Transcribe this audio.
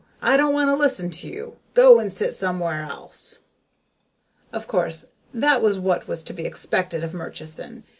I don't want to listen to you. Go and sit somewhere else." Of course, this was what was to be expected of Murchison.